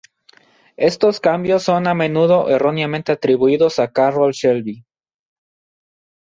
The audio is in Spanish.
Estos cambios son a menudo erróneamente atribuidos a Carroll Shelby.